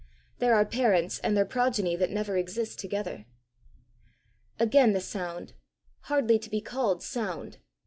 There are parents and their progeny that never exist together! Again the sound hardly to be called sound!